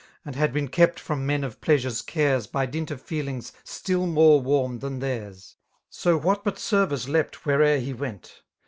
And had been kejyt from men of pieat ure's cares By dint of feelings still more warai than theirs. Sp what but service leaped where'er he went!